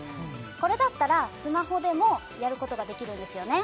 これだったらスマホでもやることができるんですよね